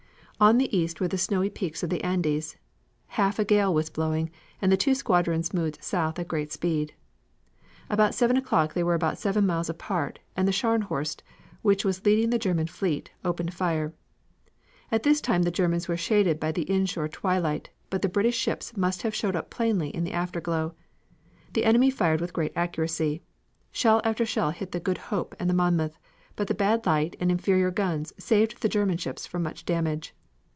On the east were the snowy peaks of the Andes. Half a gale was blowing and the two squadrons moved south at great speed. About seven o'clock they were about seven miles apart and the Scharnhorst, which was leading the German fleet, opened fire. At this time the Germans were shaded by the inshore twilight, but the British ships must have showed up plainly in the afterglow. The enemy fired with great accuracy. Shell after shell hit the Good Hope and the Monmouth, but the bad light and inferior guns saved the German ships from much damage.